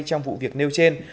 trong vụ việc nêu trên